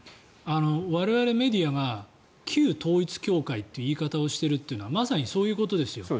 我々メディアが旧統一教会という言い方をしてるのはまさにそういうことです。